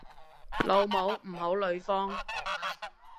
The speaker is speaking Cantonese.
老母唔好呂方